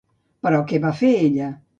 Però què va fer ella?